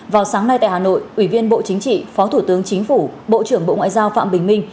vào sáng nay tại hà nội ủy viên bộ chính trị phó thủ tướng chính phủ bộ trưởng bộ ngoại giao phạm bình minh